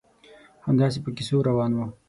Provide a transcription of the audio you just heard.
همداسې په کیسو روان وو.